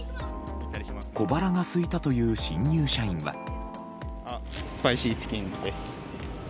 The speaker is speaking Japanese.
小腹がすいたという新入社員は。